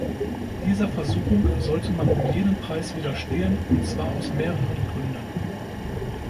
Dieser Versuchung sollte man um jeden Preis widerstehen, und zwar aus mehreren Gründen.